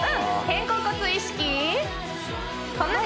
肩甲骨意識